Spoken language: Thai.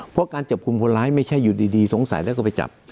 เพราะการจับกลุ่มคนร้ายไม่ใช่อยู่ดีสงสัยแล้วก็ไปจับ